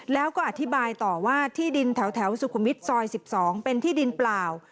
แล้วก็อธิบายต่อว่าที่ดินแถวสุขุมวิทย์ซอย๑๒เป็นที่ดินเปล่า